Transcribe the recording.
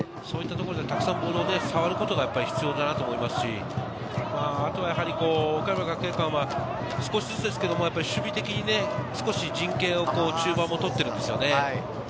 たくさんボールを触ることが必要だなと思いますし、岡山学芸館は少しずつ守備的に、少し陣形を中盤を取っているんですよね。